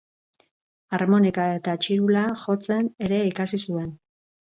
Harmonika eta txirula jotzen ere ikasi zuen.